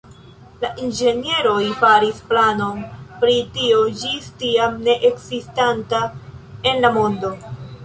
La inĝenieroj faris planon pri tio ĝis tiam ne ekzistanta en la mondo.